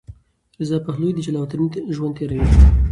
رضا پهلوي د جلاوطنۍ ژوند تېروي.